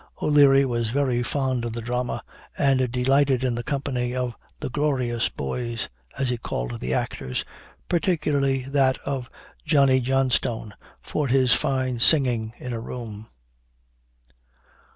O'Leary was very fond of the drama, and delighted in the company of the 'Glorious Boys,' as he called the actors particularly that of Johnny Johnstone, for his fine singing in a room."